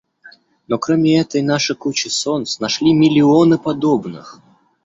Но кроме этой наши кучи солнц нашли миллионы подобных.